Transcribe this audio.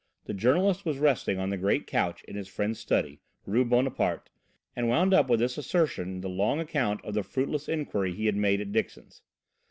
The journalist was resting on the great couch in his friend's study, Rue Bonaparte, and wound up with this assertion the long account of the fruitless inquiry he had made at Dixon's.